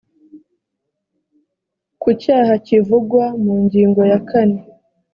ku cyaha kivugwa mu ngingo ya kane